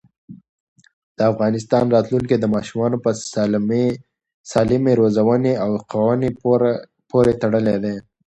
د افغانستان راتلونکی د ماشومانو په سالمې روزنې او ښوونې پورې تړلی دی.